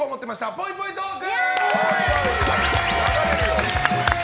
ぽいぽいトーク！